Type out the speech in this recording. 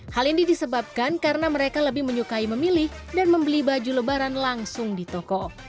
hal ini disebabkan karena mereka lebih menyukai memilih dan membeli baju lebaran langsung di toko